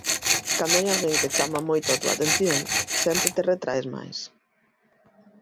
Cando hai alguén que chama moito a túa atención, sempre te retraes máis.